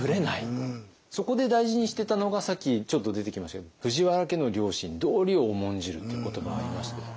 そこで大事にしてたのがさっきちょっと出てきましたけども藤原家の良心道理を重んじるっていう言葉がありましたけれども。